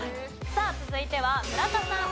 さあ続いては村田さん